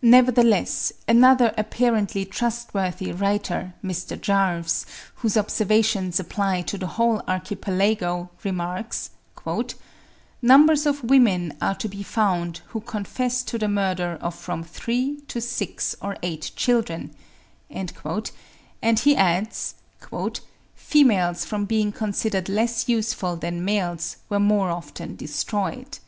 Nevertheless, another apparently trustworthy writer, Mr. Jarves (97. 'History of the Sandwich Islands,' 1843, p. 93.), whose observations apply to the whole archipelago, remarks:—"Numbers of women are to be found, who confess to the murder of from three to six or eight children," and he adds, "females from being considered less useful than males were more often destroyed."